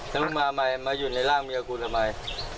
แล้วมันมาอยู่ในร่างเมียกูทำไม